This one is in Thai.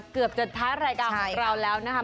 เกือบจะท้ายรายการของเราแล้วนะคะ